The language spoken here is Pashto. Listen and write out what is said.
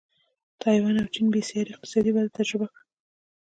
تایوان او چین بېسارې اقتصادي وده تجربه کړه.